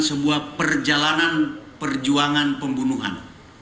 sebuah perjalanan perjuangan pembunuhan